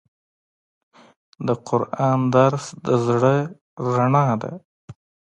د قرآن درس د زړه رڼا ده.